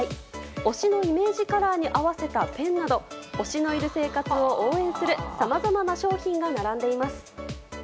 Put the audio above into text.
推しのイメージカラーに合わせたペンなど推しのいる生活を応援するさまざまな商品が並んでいます。